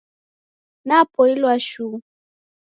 Napoilwa shuu.